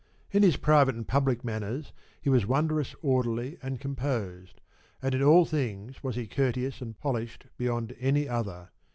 In his private and public manners he was wondrous orderly and composed, and in all things was he courteous and polished beyond any other.